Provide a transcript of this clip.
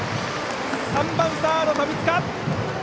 ３番サード、富塚！